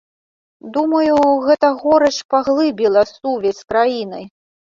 Думаю, гэта горыч паглыбіла сувязь з краінай.